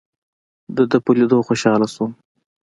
دده په لیدو خوشاله شوم.